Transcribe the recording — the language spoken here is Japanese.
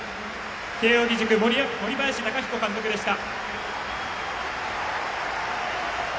慶応義塾、森林貴彦監督でした。